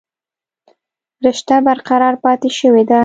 رشته برقرار پاتې شوې ده